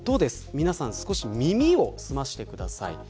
皆さん、少し耳を澄ましてください。